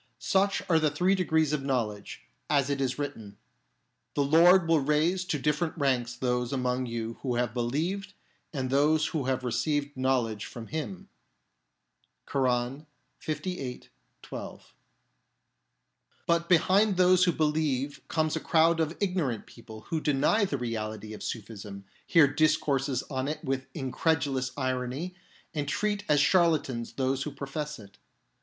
Such are the three degrees of knowledge, as it is written, " The Lord will raise to different ranks those among you who have believed and those who have received knowledge from Him " {Koran, lviii. 12). But behind those who believe comes a crowd of ignorant people who deny the reality of Sufism, hear discourses on it with incredulous irony, and 4 50 REALITY OF INSPIRATION treat as charlatans those who profess it.